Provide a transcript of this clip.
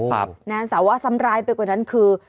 แต่ว่าซ้ำร้ายไปกว่านั้นคือ